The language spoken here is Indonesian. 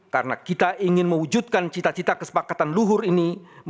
karena kita ingin mewujudkan cita cita kesepakatan luhur ini